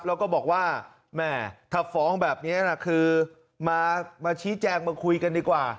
แล้วก็บอกว่าแม่ถ้าฟ้องแบบนี้นะคือมาชี้แจงมาคุยกันดีกว่า